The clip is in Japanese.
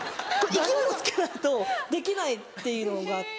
勢いをつけないとできないっていうのがあって。